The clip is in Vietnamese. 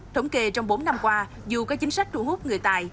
thống kê trong bốn năm qua dù có chính sách thu hút người tài